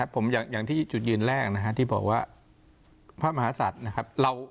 ผมอย่างที่จุดยืนแรกที่บอกว่าพระมหาศัตริย์นะครับ